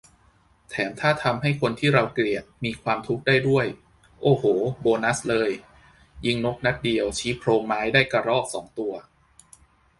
แถมถ้าทำให้คนที่เราเกลียดมีความทุกข์ได้ด้วย โอ้โห โบนัสเลย ยิงนกนัดเดียวชี้โพรงไม้ได้กระรอกสองตัว